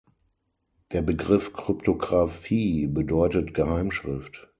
Der Begriff Kryptographie bedeutet Geheimschrift.